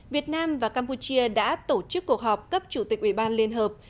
việt nam và campuchia đã tổ chức cuộc họp cấp chủ tịch ủy ban liên hợp